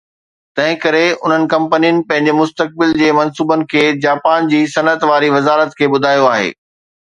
تنهن ڪري انهن ڪمپنين پنهنجي مستقبل جي منصوبن کي جاپان جي صنعت واري وزارت کي ٻڌايو آهي